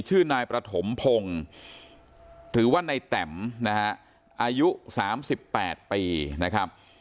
ชื่อนายประถมพงศ์หรือว่านายแตมนะฮะอายุ๓๘ปีนะครับ